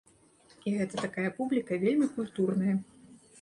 І гэта такая публіка вельмі культурная.